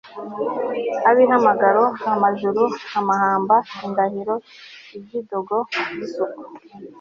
ibihamagaro, amajuri, amahamba, indahiro, ibyidogo by'isuka